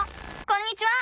こんにちは！